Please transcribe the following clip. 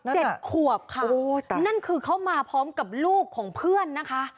ขวบค่ะโอ้นั่นคือเขามาพร้อมกับลูกของเพื่อนนะคะ